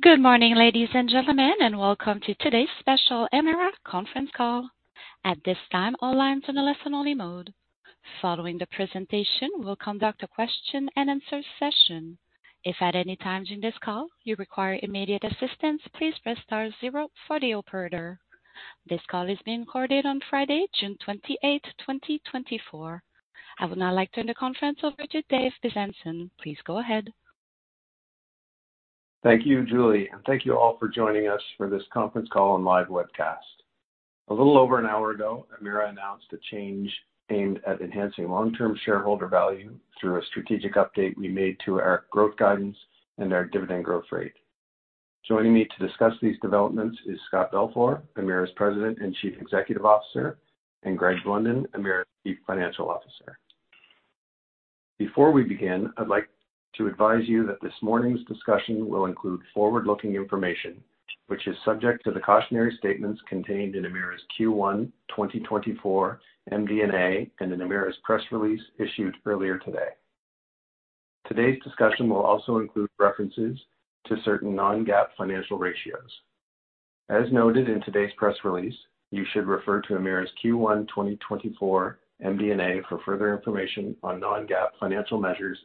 Good morning, ladies and gentlemen, and welcome to today's special Emera conference call. At this time, all lines on the listen-only mode. Following the presentation, we'll conduct a question-and-answer session. If at any time during this call you require immediate assistance, please press star zero for the operator. This call is being recorded on Friday, June 28, 2024. I would now like to turn the conference over to Dave Bezanson. Please go ahead. Thank you, Julie, and thank you all for joining us for this conference call and live webcast. A little over an hour ago, Emera announced a change aimed at enhancing long-term shareholder value through a strategic update we made to our growth guidance and our dividend growth rate. Joining me to discuss these developments is Scott Balfour, Emera's President and Chief Executive Officer, and Greg Blunden, Emera's Chief Financial Officer. Before we begin, I'd like to advise you that this morning's discussion will include forward-looking information, which is subject to the cautionary statements contained in Emera's Q1 2024 MD&A and in Emera's press release issued earlier today. Today's discussion will also include references to certain non-GAAP financial ratios. As noted in today's press release, you should refer to Emera's Q1 2024 MD&A for further information on non-GAAP financial measures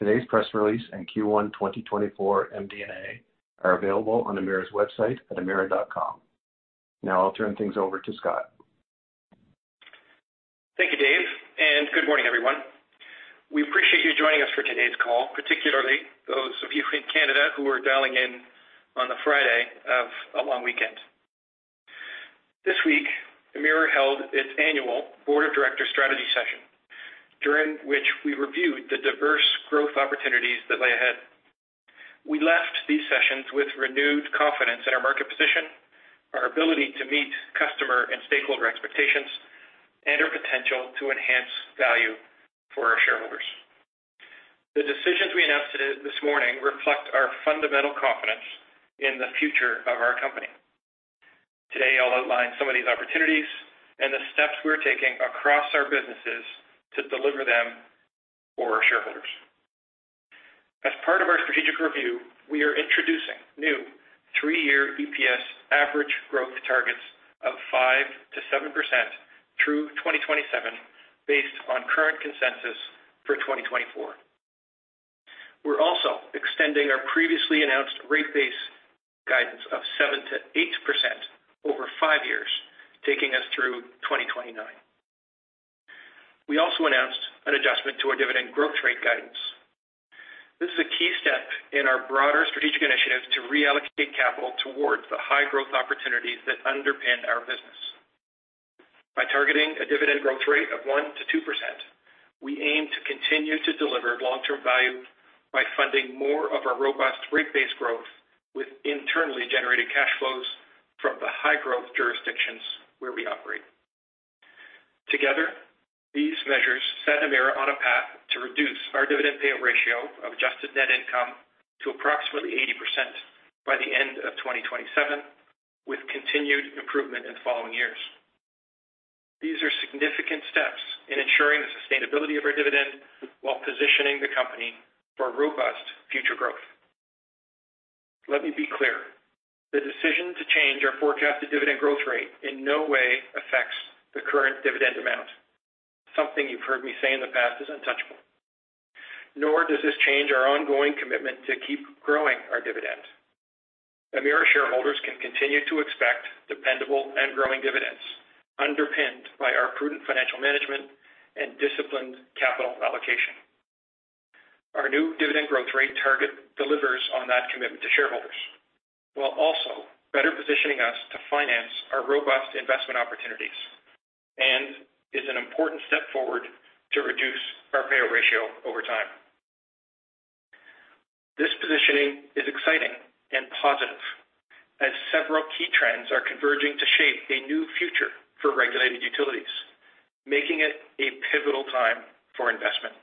and ratios. Today's press release and Q1 2024 MD&A are available on Emera's website at emera.com. Now I'll turn things over to Scott. Thank you, Dave, and good morning, everyone. We appreciate you joining us for today's call, particularly those of you in Canada who are dialing in on a Friday of a long weekend. This week, Emera held its annual board of directors strategy session, during which we reviewed the diverse growth opportunities that lay ahead. We left these sessions with renewed confidence in our market position, our ability to meet customer and stakeholder expectations, and our potential to enhance value for our shareholders. The decisions we announced today, this morning reflect our fundamental confidence in the future of our company. Today, I'll outline some of these opportunities and the steps we're taking across our businesses to deliver them for our shareholders. As part of our strategic review, we are introducing new three-year EPS average growth targets of 5%-7% through 2027, based on current consensus for 2024. We're also extending our previously announced rate base guidance of 7%-8% over 5 years, taking us through 2029. We also announced an adjustment to our dividend growth rate guidance. This is a key step in our broader strategic initiative to reallocate capital towards the high-growth opportunities that underpin our business. By targeting a dividend growth rate of 1%-2%, we aim to continue to deliver long-term value by funding more of our robust rate base growth with internally generated cash flows from the high-growth jurisdictions where we operate. Together, these measures set Emera on a path to reduce our dividend payout ratio of adjusted net income to approximately 80% by the end of 2027, with continued improvement in the following years. These are significant steps in ensuring the sustainability of our dividend while positioning the company for robust future growth. Let me be clear: The decision to change our forecasted dividend growth rate in no way affects the current dividend amount. Something you've heard me say in the past is untouchable, nor does this change our ongoing commitment to keep growing our dividend. Emera shareholders can continue to expect dependable and growing dividends, underpinned by our prudent financial management and disciplined capital allocation. Our new dividend growth rate target delivers on that commitment to shareholders, while also better positioning us to finance our robust investment opportunities and is an important step forward to reduce our payout ratio over time. This positioning is exciting and positive, as several key trends are converging to shape a new future for regulated utilities, making it a pivotal time for investment.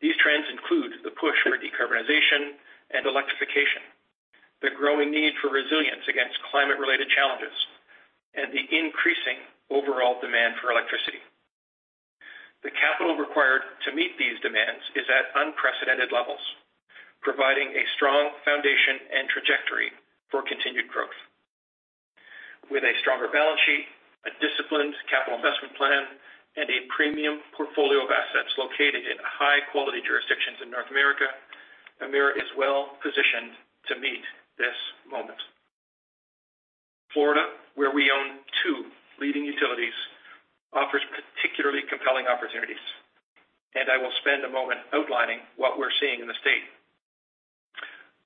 These trends include the push for decarbonization and electrification, the growing need for resilience against climate-related challenges, and the increasing overall demand for electricity. The capital required to meet these demands is at unprecedented levels, providing a strong foundation and trajectory for continued growth. With a stronger balance sheet, a disciplined capital investment plan, and a premium portfolio of assets located in high-quality jurisdictions in North America, Emera is well positioned to meet this moment. Florida, where we own two leading utilities, offers particularly compelling opportunities, and I will spend a moment outlining what we're seeing in the state.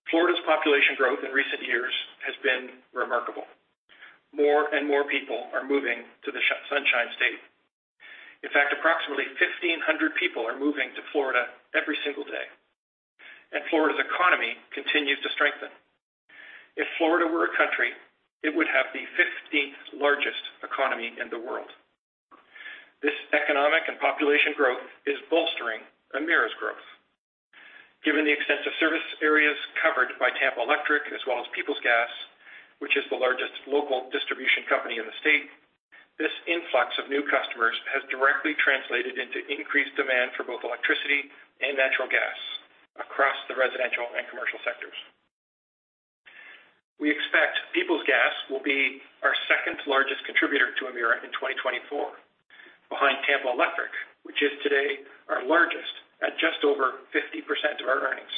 Florida's population growth in recent years has been remarkable. More and more people are moving to the Sunshine State. In fact, approximately 1,500 people are moving to Florida every single day, and Florida's economy continues to strengthen. If Florida were a country, it would have the 15th largest economy in the world. This economic and population growth is bolstering Emera's growth. Given the extensive service areas covered by Tampa Electric, as well as Peoples Gas, which is the largest local distribution company in the state. This influx of new customers has directly translated into increased demand for both electricity and natural gas across the residential and commercial sectors. We expect Peoples Gas will be our second-largest contributor to Emera in 2024, behind Tampa Electric, which is today our largest, at just over 50% of our earnings.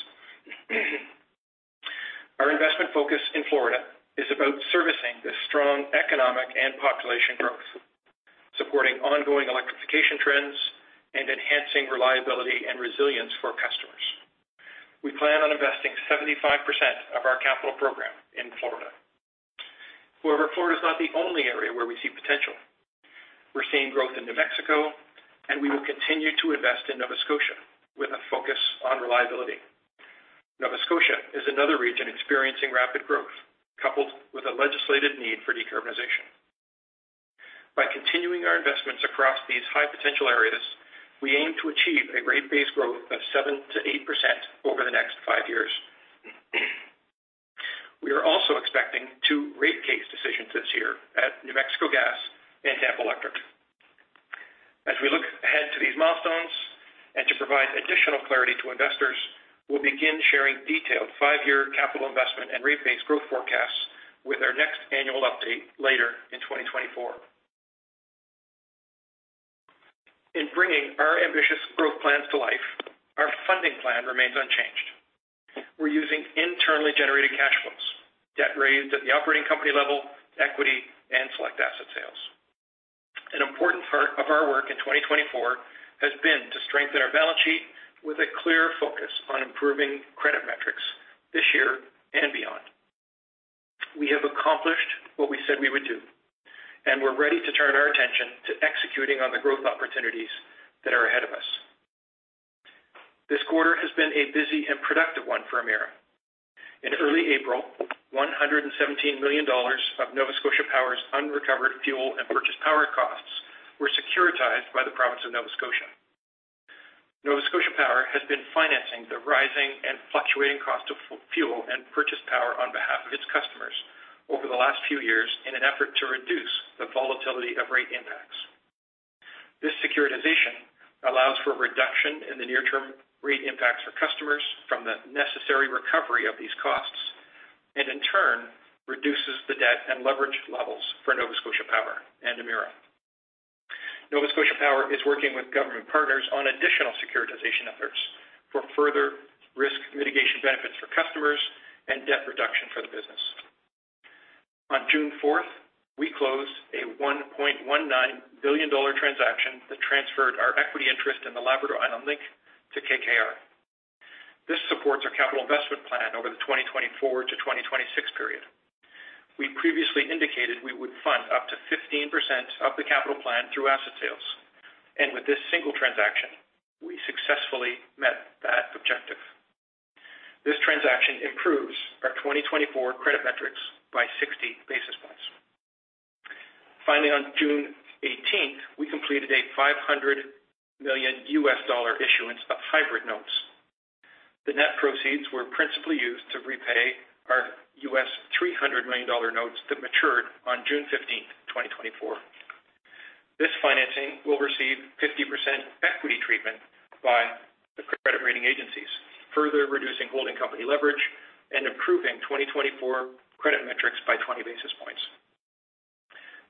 Our investment focus in Florida is about servicing the strong economic and population growth, supporting ongoing electrification trends, and enhancing reliability and resilience for customers. We plan on investing 75% of our capital program in Florida. However, Florida is not the only area where we see potential. We're seeing growth in New Mexico, and we will continue to invest in Nova Scotia with a focus on reliability. Nova Scotia is another region experiencing rapid growth, coupled with a legislative need for decarbonization. By continuing our investments across these high-potential areas, we aim to achieve a rate-based growth of 7%-8% over the next 5 years. We are also expecting 2 rate case decisions this year at New Mexico Gas and Tampa Electric. As we look ahead to these milestones, and to provide additional clarity to investors, we'll begin sharing detailed 5-year capital investment and rate-based growth forecasts with our next annual update later in 2024. In bringing our ambitious growth plans to life, our funding plan remains unchanged. We're using internally generated cash flows, debt raised at the operating company level, equity, and select asset sales. An important part of our work in 2024 has been to strengthen our balance sheet with a clear focus on improving credit metrics this year and beyond. We have accomplished what we said we would do, and we're ready to turn our attention to executing on the growth opportunities that are ahead of us. This quarter has been a busy and productive one for Emera. In early April, 117 million dollars of Nova Scotia Power's unrecovered fuel and purchased power costs were securitized by the Province of Nova Scotia. Nova Scotia Power has been financing the rising and fluctuating cost of fuel and purchased power on behalf of its customers over the last few years in an effort to reduce the volatility of rate impacts. This securitization allows for a reduction in the near-term rate impacts for customers from the necessary recovery of these costs, and in turn, reduces the debt and leverage levels for Nova Scotia Power and Emera. Nova Scotia Power is working with government partners on additional securitization efforts for further risk mitigation benefits for customers and debt reduction for the business. On June 4, we closed a 1.19 billion dollar transaction that transferred our equity interest in the Labrador-Island Link to KKR. This supports our capital investment plan over the 2024-2026 period. We previously indicated we would fund up to 15% of the capital plan through asset sales, and with this single transaction, we successfully met that objective. This transaction improves our 2024 credit metrics by 60 basis points. Finally, on June 18, we completed a $500 million issuance of hybrid notes. The net proceeds were principally used to repay our $300 million notes that matured on June 15, 2024. This financing will receive 50% equity treatment by the credit rating agencies, further reducing holding company leverage and improving 2024 credit metrics by 20 basis points.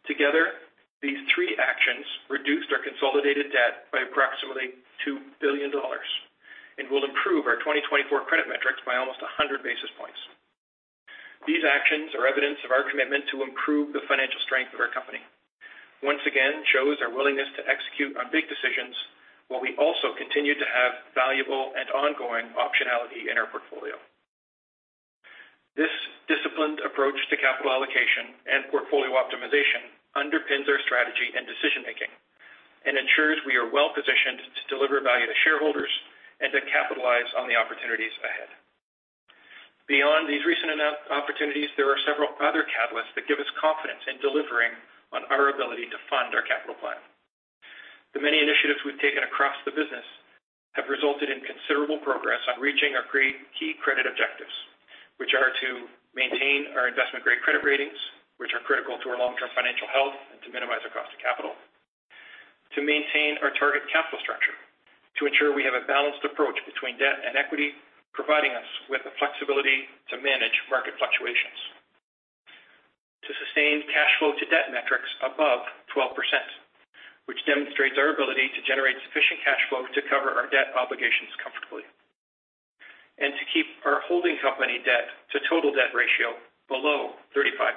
Together, these three actions reduced our consolidated debt by approximately $2 billion and will improve our 2024 credit metrics by almost 100 basis points. These actions are evidence of our commitment to improve the financial strength of our company. Once again, shows our willingness to execute on big decisions, while we also continue to have valuable and ongoing optionality in our portfolio. This disciplined approach to capital allocation and portfolio optimization underpins our strategy and decision making and ensures we are well-positioned to deliver value to shareholders and to capitalize on the opportunities ahead. Beyond these recent opportunities, there are several other catalysts that give us confidence in delivering on our ability to fund our capital plan. The many initiatives we've taken across the business have resulted in considerable progress on reaching our key credit objectives, which are to maintain our investment-grade credit ratings, which are critical to our long-term financial health and to minimize our cost of capital. To maintain our target capital structure, to ensure we have a balanced approach between debt and equity, providing us with the flexibility to manage market fluctuations. To sustain cash flow to debt metrics above 12%, which demonstrates our ability to generate sufficient cash flow to cover our debt obligations comfortably. And to keep our holding company debt to total debt ratio below 35%,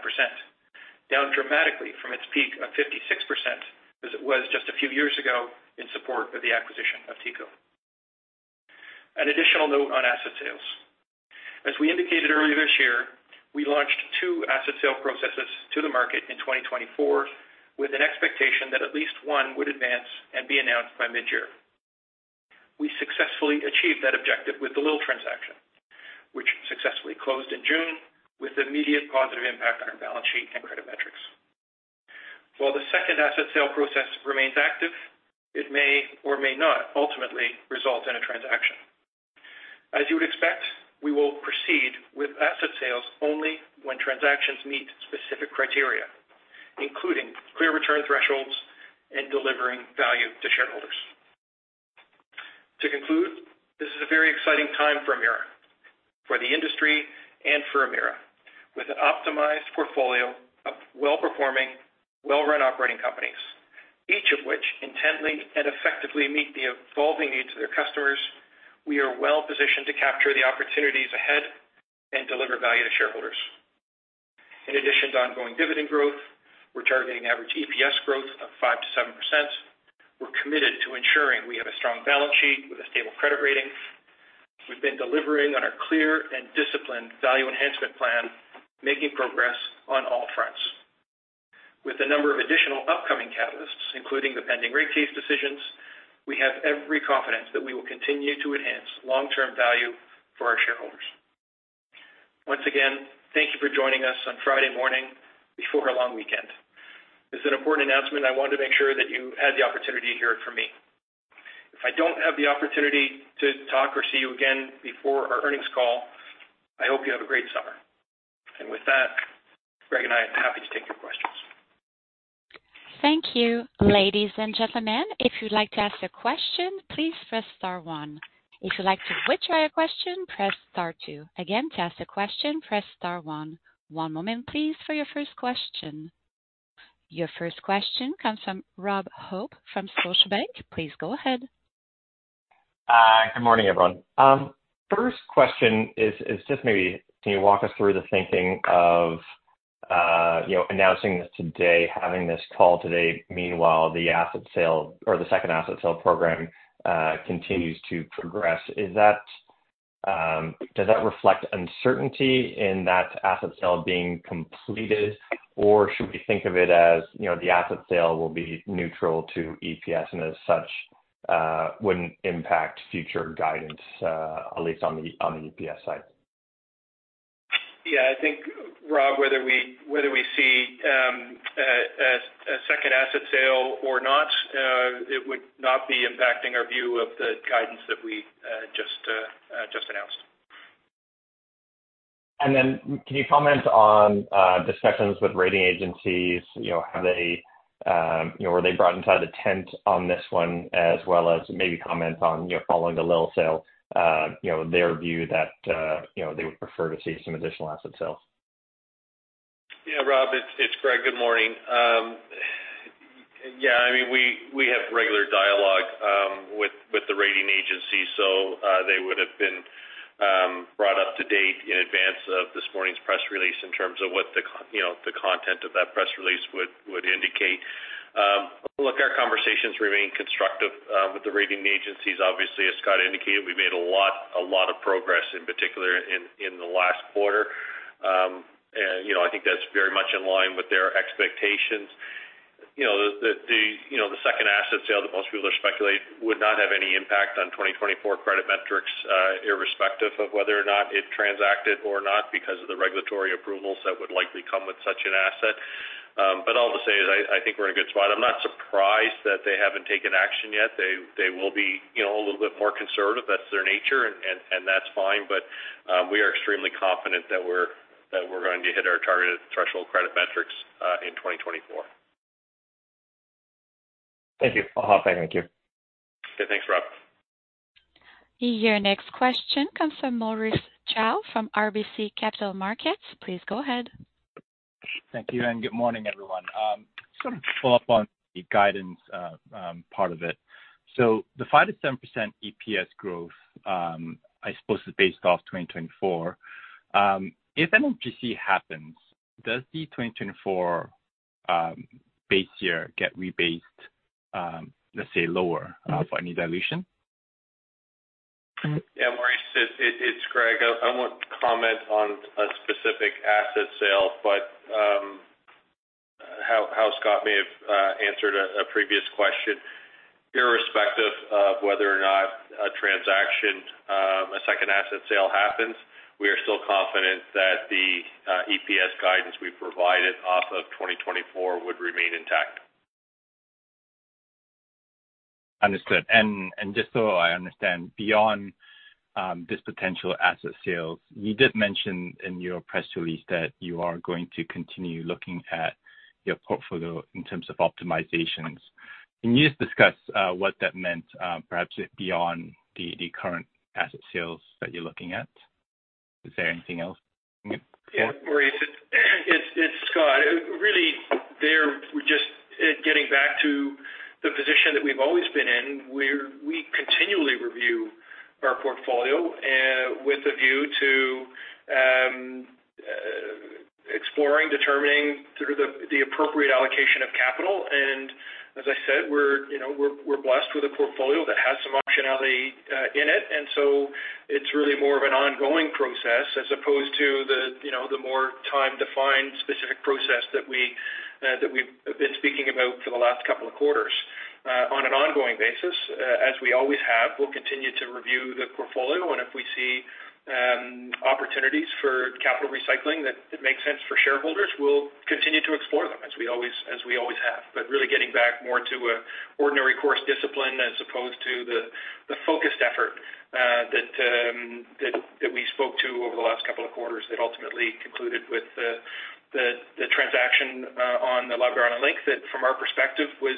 down dramatically from its peak of 56%, as it was just a few years ago in support of the acquisition of TECO. An additional note on asset sales. As we indicated earlier this year, we launched two asset sale processes to the market in 2024, with an expectation that at least one would advance and be announced by mid-year. We successfully achieved that objective with the LIL transaction, which successfully closed in June, with immediate positive impact on our balance sheet and credit metrics. While the second asset sale process remains active, it may or may not ultimately result in a transaction... We will proceed with asset sales only when transactions meet specific criteria, including clear return thresholds and delivering value to shareholders. To conclude, this is a very exciting time for Emera, for the industry and for Emera. With an optimized portfolio of well-performing, well-run operating companies, each of which intently and effectively meet the evolving needs of their customers, we are well-positioned to capture the opportunities ahead and deliver value to shareholders. In addition to ongoing dividend growth, we're targeting average EPS growth of 5%-7%. We're committed to ensuring we have a strong balance sheet with a stable credit rating. We've been delivering on our clear and disciplined value enhancement plan, making progress on all fronts. With a number of additional upcoming catalysts, including the pending rate case decisions, we have every confidence that we will continue to enhance long-term value for our shareholders. Once again, thank you for joining us on Friday morning before a long weekend. This is an important announcement. I wanted to make sure that you had the opportunity to hear it from me. If I don't have the opportunity to talk or see you again before our earnings call, I hope you have a great summer. With that, Greg and I are happy to take your questions. Thank you. Ladies and gentlemen, if you'd like to ask a question, please press star one. If you'd like to withdraw your question, press star two. Again, to ask a question, press star one. One moment please, for your first question. Your first question comes from Rob Hope from Scotiabank. Please go ahead. Good morning, everyone. First question is, is just maybe can you walk us through the thinking of, you know, announcing this today, having this call today, meanwhile, the asset sale or the second asset sale program continues to progress. Is that, does that reflect uncertainty in that asset sale being completed, or should we think of it as, you know, the asset sale will be neutral to EPS and as such, wouldn't impact future guidance, at least on the EPS side? Yeah, I think, Rob, whether we see a second asset sale or not, it would not be impacting our view of the guidance that we just announced. And then can you comment on discussions with rating agencies? You know, have they, you know, were they brought inside the tent on this one, as well as maybe comment on, you know, following the LIL sale, you know, their view that, you know, they would prefer to see some additional asset sales? Yeah, Rob, it's Greg. Good morning. Yeah, I mean, we have regular dialogue with the rating agency, so they would have been brought up to date in advance of this morning's press release in terms of what the content of that press release would indicate. Look, our conversations remain constructive with the rating agencies. Obviously, as Scott indicated, we've made a lot of progress, in particular, in the last quarter. And you know, I think that's very much in line with their expectations. You know, the second asset sale that most people are speculating would not have any impact on 2024 credit metrics, irrespective of whether or not it transacted or not, because of the regulatory approvals that would likely come with such an asset. But all to say is I think we're in a good spot. I'm not surprised that they haven't taken action yet. They will be, you know, a little bit more conservative. That's their nature, and that's fine. But we are extremely confident that we're going to hit our targeted threshold credit metrics in 2024. Thank you. I'll hop back in queue. Okay, thanks, Rob. Your next question comes from Maurice Choy from RBC Capital Markets. Please go ahead. Thank you, and good morning, everyone. Just sort of follow up on the guidance, part of it. So the 5%-7% EPS growth, I suppose, is based off 2024. If NMGC happens, does the 2024 base year get rebased, let's say, lower, for any dilution? Yeah, Maurice, it's Greg. I won't comment on a specific asset sale, but how Scott may have answered a previous question. Irrespective of whether or not a transaction, a second asset sale happens, we are still confident that the EPS guidance we've provided off of 2024 would remain intact. Understood. And just so I understand, beyond this potential asset sales, you did mention in your press release that you are going to continue looking at your portfolio in terms of optimizations. Can you just discuss what that meant, perhaps beyond the current asset sales that you're looking at? Is there anything else? Yeah, Maurice, it's Scott. Really there, we're just getting back to the position that we've always been in, where we continually review our portfolio with a view to exploring, determining sort of the appropriate allocation of capital. And as I said, you know, we're blessed with a portfolio that has some optionality in it, and so it's really more of an ongoing process as opposed to you know, the more time-defined specific process that we've been speaking about for the last couple of quarters. On an ongoing basis, as we always have, we'll continue to review the portfolio, and if we see opportunities for capital recycling that it makes sense for shareholders, we'll continue to explore them as we always have. But really getting back more to an ordinary course discipline as opposed to the focused effort that we spoke to over the last couple of quarters, that ultimately concluded with the transaction on the Labrador-Island Link, that from our perspective was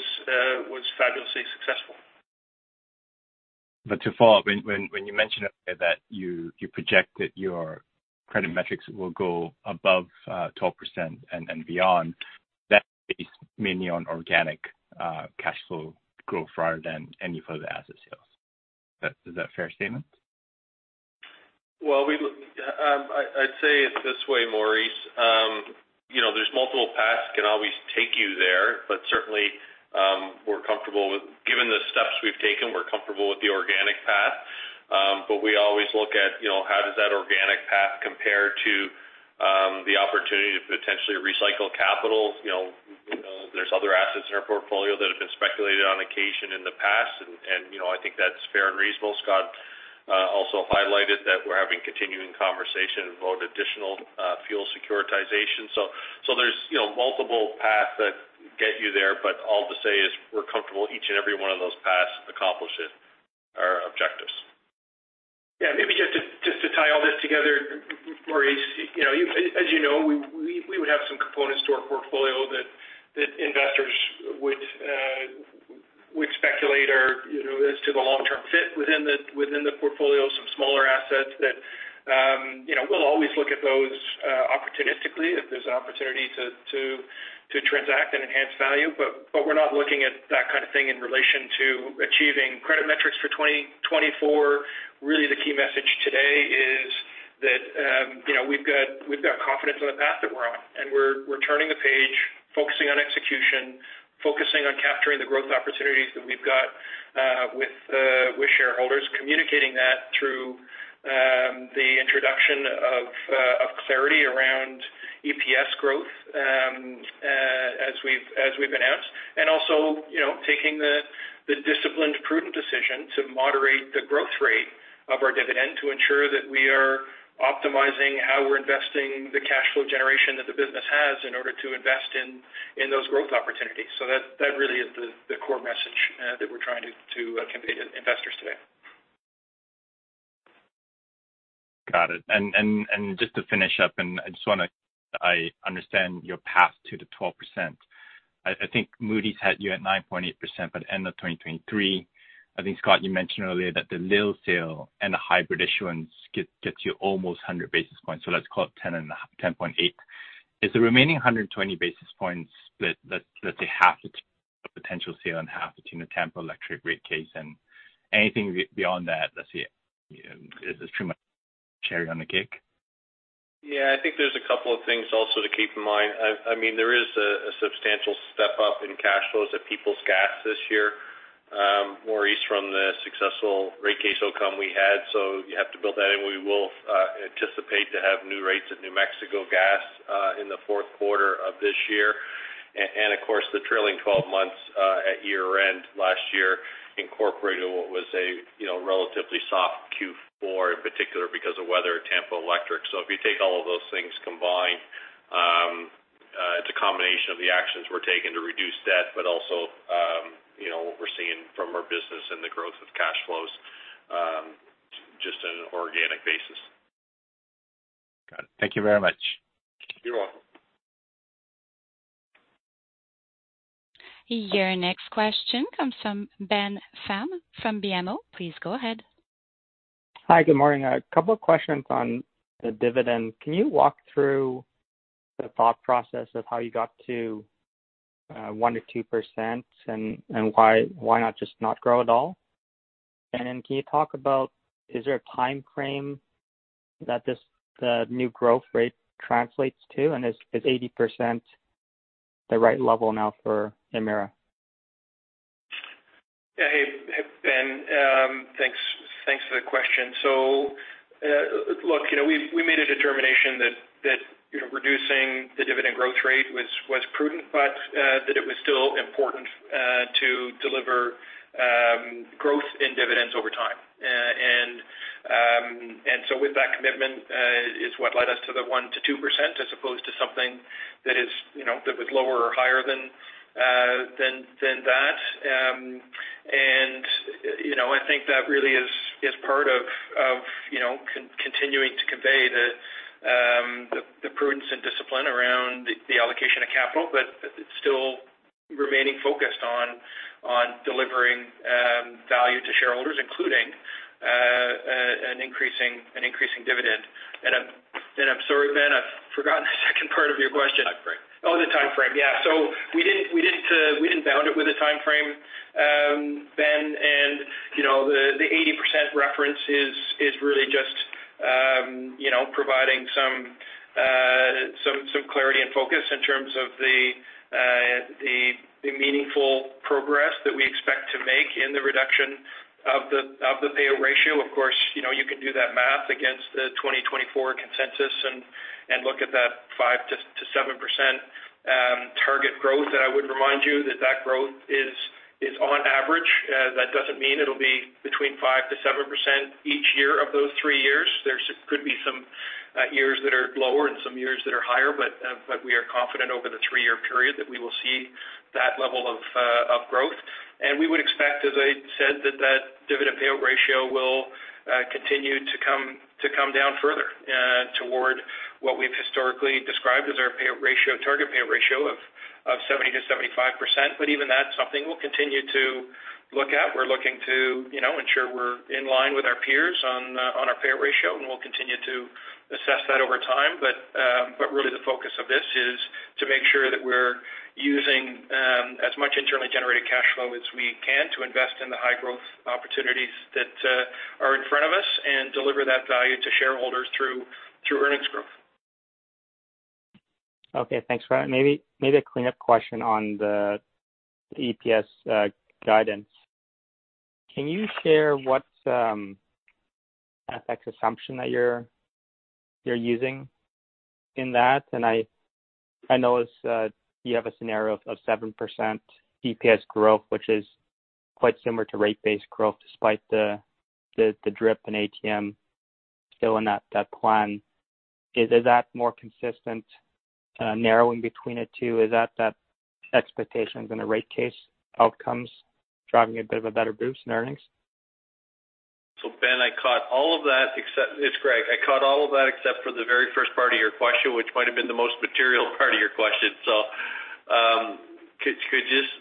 fabulously successful. But to follow up, when you mentioned earlier that you project that your credit metrics will go above 12% and beyond, that is mainly on organic cash flow growth rather than any further asset sales. Is that a fair statement? Well, we'd say it this way, Maurice. You know, there's multiple paths can always take you there, but certainly, we're comfortable with, given the steps we've taken, we're comfortable with the organic path. But we always look at, you know, how does that organic path compare to, the opportunity to potentially recycle capital? You know, there's other assets in our portfolio that have been speculated on occasion in the past, and, you know, I think that's fair and reasonable. Scott also highlighted that we're having continuing conversation about additional fuel securitization. So, there's, you know, multiple paths that get you there, but all to say is we're comfortable each and every one of those paths accomplish it, our objectives. Yeah, maybe just to tie all this together, Maurice, you know, as you know, we would have some components to our portfolio that investors would speculate or, you know, as to the long-term fit within the portfolio, some smaller assets that, you know, we'll always look at those opportunistically, if there's an opportunity to transact and enhance value. But we're not looking at that kind of thing in relation to achieving credit metrics for 2024. Really, the key message today is that, you know, we've got confidence in the path that we're on, and we're turning the page, focusing on execution, focusing on capturing the growth opportunities that we've got with shareholders. Communicating that through the introduction of clarity around EPS growth, as we've announced, and also, you know, taking the disciplined, prudent decision to moderate the growth rate of our dividend to ensure that we are optimizing how we're investing the cash flow generation that the business has in order to invest in those growth opportunities. So that really is the core message that we're trying to convey to investors today. Got it. Just to finish up, I understand your path to the 12%. I think Moody's had you at 9.8% by the end of 2023. I think, Scott, you mentioned earlier that the LIL sale and the hybrid issuance gets you almost 100 basis points, so let's call it 10.5, 10.8. Is the remaining 120 basis points, let's say, half potential sale and half between the Tampa Electric rate case and anything beyond that, let's see, too much cherry on the cake? Yeah, I think there's a couple of things also to keep in mind. I mean, there is a substantial step up in cash flows at People's Gas this year, Maurice, from the successful rate case outcome we had, so you have to build that in. We will anticipate to have new rates at New Mexico Gas in the fourth quarter of this year. And of course, the trailing twelve months at year-end last year incorporated what was a, you know, relatively soft Q4, in particular because of weather at Tampa Electric. So if you take all of those things combined, it's a combination of the actions we're taking to reduce debt, but also, you know, what we're seeing from our business and the growth of cash flows just in an organic basis. Got it. Thank you very much. You're welcome. Your next question comes from Ben Pham from BMO. Please go ahead. Hi, good morning. A couple of questions on the dividend. Can you walk through the thought process of how you got to 1%-2%, and, and why, why not just not grow at all? And then can you talk about, is there a time frame that this, the new growth rate translates to, and is, is 80% the right level now for Emera? Hey, Ben, thanks, thanks for the question. So, look, you know, we made a determination that, you know, reducing the dividend growth rate was prudent, but that it was still important to deliver growth in dividends over time. And so with that commitment is what led us to the 1%-2%, as opposed to something that is, you know, that was lower or higher than that. And, you know, I think that really is part of continuing to convey the prudence and discipline around the allocation of capital, but still remaining focused on delivering value to shareholders, including an increasing dividend. And I'm sorry, Ben, I've forgotten the second part of your question. Timeframe. Oh, the timeframe. Yeah. So we didn't bound it with a timeframe, Ben, and, you know, the eighty percent reference is really just, you know, providing some clarity and focus in terms of the meaningful progress that we expect to make in the reduction of the payout ratio. Of course, you know, you can do that math against the 2024 consensus and look at that 5%-7% target growth. And I would remind you that that growth is on average. That doesn't mean it'll be between 5%-7% each year of those three years.... could be some years that are lower and some years that are higher, but we are confident over the three-year period that we will see that level of growth. And we would expect, as I said, that that dividend payout ratio will continue to come down further toward what we've historically described as our payout ratio, target payout ratio of 70%-75%. But even that's something we'll continue to look at. We're looking to, you know, ensure we're in line with our peers on our payout ratio, and we'll continue to assess that over time. But really the focus of this is to make sure that we're using as much internally generated cash flow as we can to invest in the high growth opportunities that are in front of us and deliver that value to shareholders through earnings growth. Okay, thanks for that. Maybe, maybe a cleanup question on the EPS guidance. Can you share what's FX assumption that you're, you're using in that? And I, I notice that you have a scenario of 7% EPS growth, which is quite similar to rate base growth, despite the, the, the DRIP in ATM still in that, that plan. Is, is that more consistent, narrowing between the two? Is that, that expectations in the rate case outcomes driving a bit of a better boost in earnings? So Ben, I caught all of that except, it's Greg. I caught all of that except for the very first part of your question, which might have been the most material part of your question. So, could you just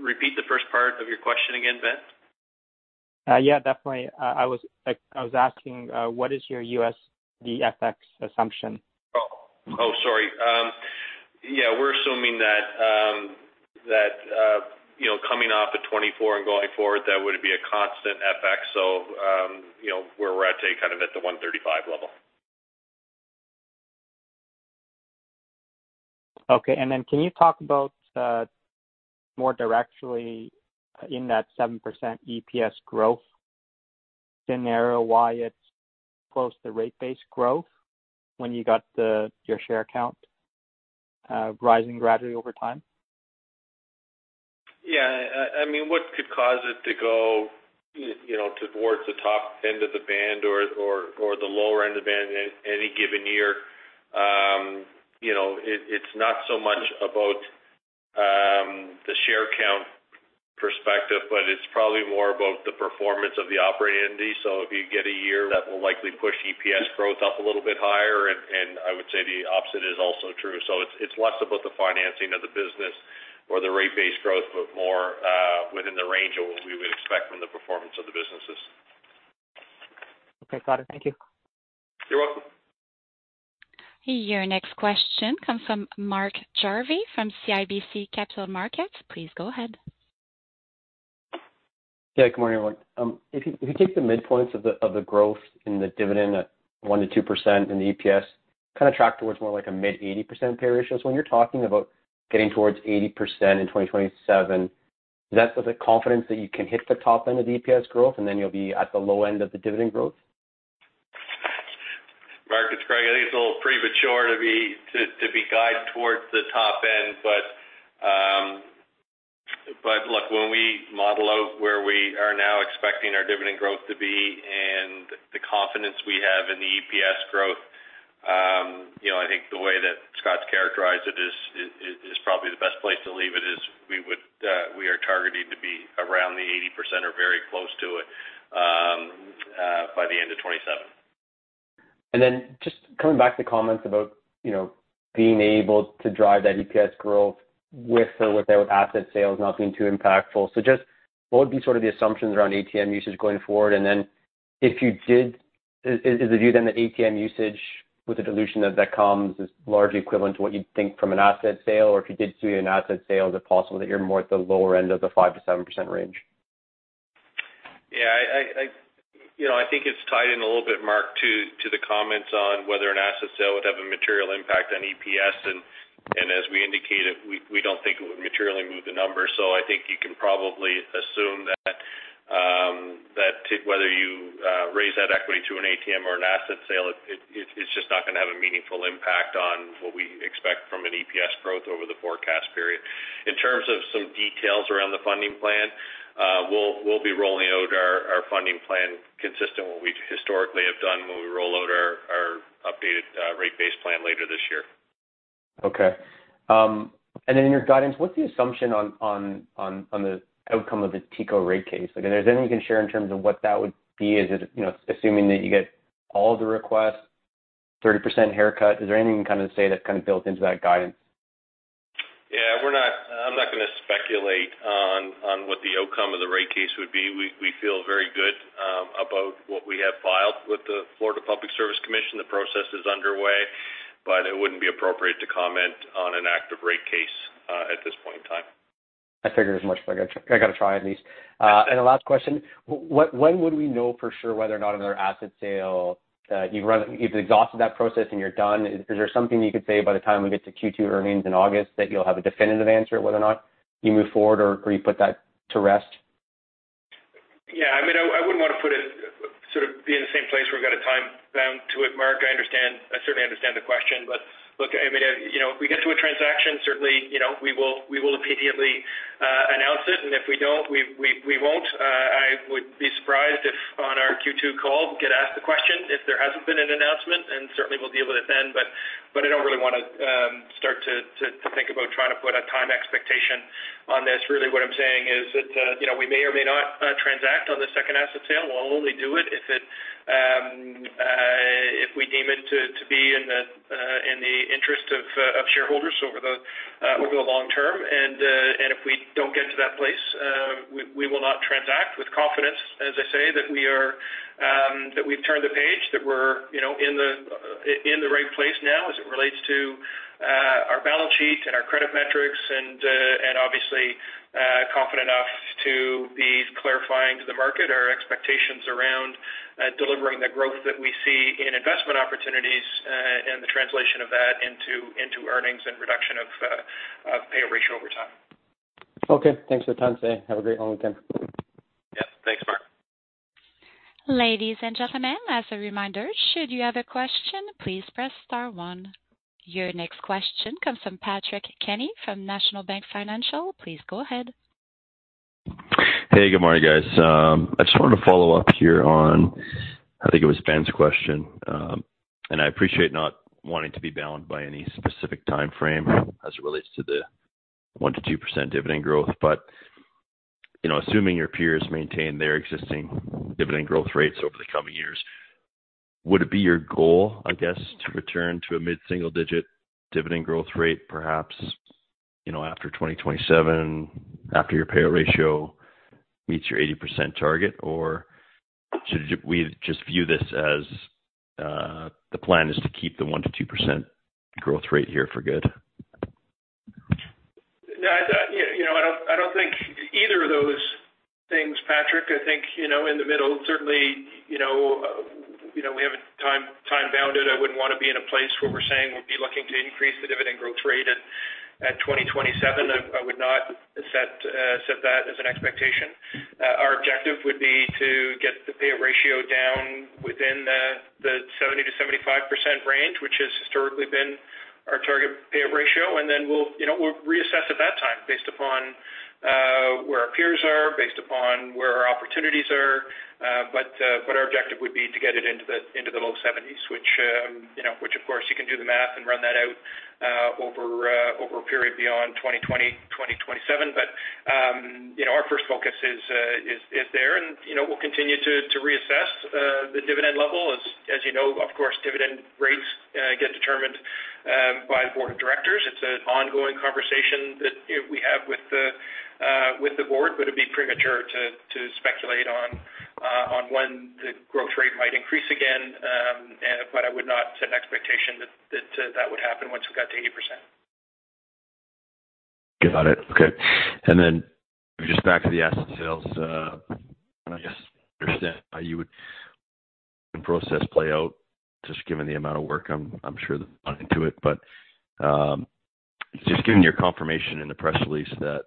repeat the first part of your question again, Ben? Yeah, definitely. I was, like, I was asking what is your USD FX assumption? Oh! Oh, sorry. Yeah, we're assuming that that you know, coming off of 2024 and going forward, that would be a constant FX. So, you know, we're at, kind of, at the 1.35 level. Okay. And then can you talk about, more directly in that 7% EPS growth scenario, why it's close to rate base growth when you got the, your share count, rising gradually over time? Yeah. I mean, what could cause it to go, you know, towards the top end of the band or the lower end of the band in any given year? You know, it's not so much about the share count perspective, but it's probably more about the performance of the operating entity. So if you get a year that will likely push EPS growth up a little bit higher, and I would say the opposite is also true. So it's less about the financing of the business or the rate-based growth, but more within the range of what we would expect from the performance of the businesses. Okay, got it. Thank you. You're welcome. Your next question comes from Mark Jarvi, from CIBC Capital Markets. Please go ahead. Yeah, good morning, everyone. If you, if you take the midpoints of the, of the growth in the dividend at 1%-2% in the EPS, kind of, track towards more like a mid-80% pay ratio. So when you're talking about getting towards 80% in 2027, is that the confidence that you can hit the top end of the EPS growth, and then you'll be at the low end of the dividend growth? Mark, it's Greg. I think it's a little premature to guide towards the top end. But, look, when we model out where we are now expecting our dividend growth to be and the confidence we have in the EPS growth, you know, I think the way that Scott's characterized it is probably the best place to leave it, is we would, we are targeting to be around the 80% or very close to it, by the end of 2027. Then just coming back to comments about, you know, being able to drive that EPS growth with or without asset sales, not being too impactful. So just what would be sort of the assumptions around ATM usage going forward? And then if you did, is the view then the ATM usage with the dilution that that comes, is largely equivalent to what you'd think from an asset sale? Or if you did see an asset sale, is it possible that you're more at the lower end of the 5%-7% range? Yeah, You know, I think it's tied in a little bit, Mark, to the comments on whether an asset sale would have a material impact on EPS. And as we indicated, we don't think it would materially move the numbers. So I think you can probably assume that whether you raise that equity to an ATM or an asset sale, it's just not gonna have a meaningful impact on what we expect from an EPS growth over the forecast period. In terms of some details around the funding plan, we'll be rolling out our funding plan, consistent with what we historically have done when we roll out our updated rate base plan later this year. Okay. And then in your guidance, what's the assumption on the outcome of the TECO rate case? Again, is there anything you can share in terms of what that would be? Is it, you know, assuming that you get all the requests, 30% haircut, is there anything you can kind of say that's kind of built into that guidance? Yeah, we're not. I'm not gonna speculate on what the outcome of the rate case would be. We feel very good about what we have filed with the Florida Public Service Commission. The process is underway, but it wouldn't be appropriate to comment on an active rate case at this point in time. I figured as much, but I gotta try at least. And the last question, when would we know for sure whether or not another asset sale, you've exhausted that process and you're done? Is there something you could say by the time we get to Q2 earnings in August, that you'll have a definitive answer whether or not you move forward or you put that to rest? Yeah, I mean, I wouldn't want to put it, sort of, be in the same place where we've got a time bound to it, Mark. I understand, I certainly understand the question, but look, I mean, you know, if we get to a transaction, certainly, you know, we will, we will immediately announce it, and if we don't, we, we, we won't.... I would be surprised if on our Q2 call, get asked the question, if there hasn't been an announcement, and certainly we'll deal with it then. But I don't really want to start to think about trying to put a time expectation on this. Really, what I'm saying is that, you know, we may or may not transact on the second asset sale. We'll only do it if we deem it to be in the interest of shareholders over the long term. And if we don't get to that place, we will not transact with confidence, as I say, that we are, that we've turned the page, that we're, you know, in the right place now as it relates to our balance sheet and our credit metrics, and obviously confident enough to be clarifying to the market our expectations around delivering the growth that we see in investment opportunities, and the translation of that into earnings and reduction of payout ratio over time. Okay, thanks for the time today. Have a great long weekend. Yeah, thanks, Mark. Ladies and gentlemen, as a reminder, should you have a question, please press star one. Your next question comes from Patrick Kenny from National Bank Financial. Please go ahead. Hey, good morning, guys. I just wanted to follow up here on, I think it was Ben's question. And I appreciate not wanting to be bound by any specific timeframe as it relates to the 1%-2% dividend growth. But, you know, assuming your peers maintain their existing dividend growth rates over the coming years, would it be your goal, I guess, to return to a mid-single digit dividend growth rate, perhaps, you know, after 2027, after your payout ratio meets your 80% target? Or should we just view this as, the plan is to keep the 1%-2% growth rate here for good? Yeah, you know, I don't think either of those things, Patrick. I think, you know, in the middle, certainly, you know, we have it time-bounded. I wouldn't want to be in a place where we're saying we'd be looking to increase the dividend growth rate at 2027. I would not set that as an expectation. Our objective would be to get the payout ratio down within the 70%-75% range, which has historically been our target payout ratio, and then we'll, you know, we'll reassess at that time, based upon where our peers are, based upon where our opportunities are. But our objective would be to get it into the low 70s%, which, you know, which of course, you can do the math and run that out over a period beyond 2020, 2027. But, you know, our first focus is there, and, you know, we'll continue to reassess the dividend level. As you know, of course, dividend rates get determined by the board of directors. It's an ongoing conversation that, you know, we have with the board, but it'd be premature to speculate on when the growth rate might increase again. But I would not set an expectation that would happen once we got to 80%. Got it. Okay. Then just back to the asset sales, and I guess understand how you would the process play out, just given the amount of work. I'm sure there's a lot into it. But just given your confirmation in the press release that,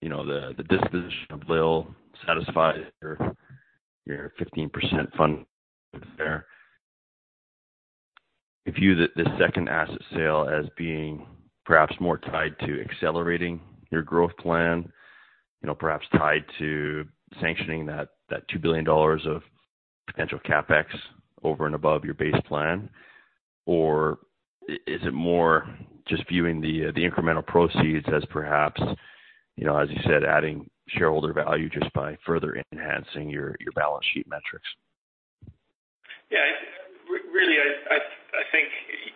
you know, the disposition of LIL satisfies your 15% fund there. If you view this second asset sale as being perhaps more tied to accelerating your growth plan, you know, perhaps tied to sanctioning that $2 billion of potential CapEx over and above your base plan. Or is it more just viewing the incremental proceeds as perhaps, you know, as you said, adding shareholder value just by further enhancing your balance sheet metrics? Yeah, really, I think,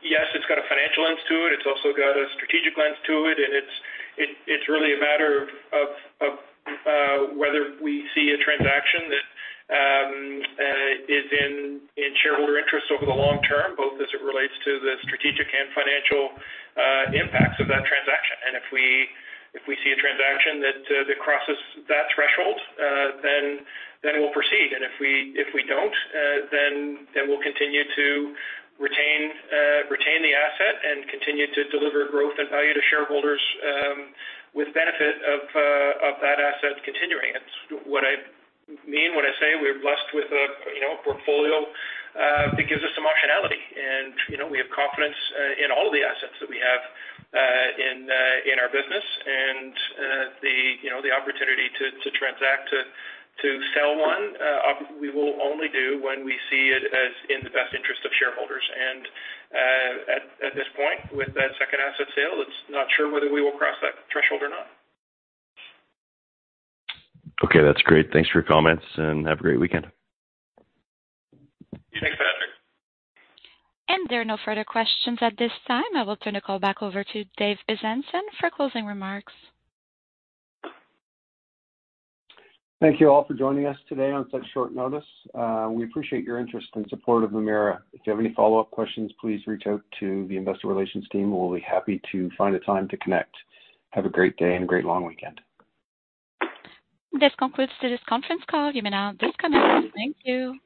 yes, it's got a financial lens to it. It's also got a strategic lens to it, and it's really a matter of whether we see a transaction that is in shareholder interest over the long term, both as it relates to the strategic and financial impacts of that transaction. And if we see a transaction that crosses that threshold, then we'll proceed. And if we don't, then we'll continue to retain the asset and continue to deliver growth and value to shareholders with benefit of that asset continuing. It's what I mean when I say we're blessed with a, you know, a portfolio that gives us some optionality. And, you know, we have confidence in all of the assets that we have in our business, and, you know, the opportunity to transact, to sell one, we will only do when we see it as in the best interest of shareholders. And, at this point, with that second asset sale, it's not sure whether we will cross that threshold or not. Okay, that's great. Thanks for your comments, and have a great weekend. Thanks, Patrick. There are no further questions at this time. I will turn the call back over to Dave Bissonnette for closing remarks. Thank you all for joining us today on such short notice. We appreciate your interest and support of Emera. If you have any follow-up questions, please reach out to the investor relations team. We'll be happy to find a time to connect. Have a great day and a great long weekend. This concludes today's conference call. You may now disconnect. Thank you.